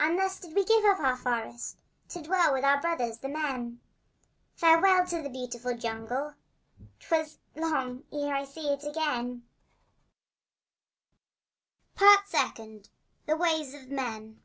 And thus did we give up the forest To dwell with our brothers, the men— Farewell to the beautiful jungle! 'Twas long ere I saw it again! Part Second. THE WAYS OF MEN.